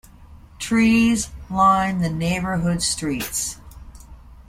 Trees line the neighborhood streets.